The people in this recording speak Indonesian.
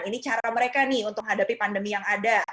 ini cara mereka nih untuk hadapi pandemi yang ada